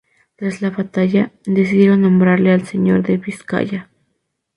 Tras la batalla, decidieron nombrarle Señor de Vizcaya.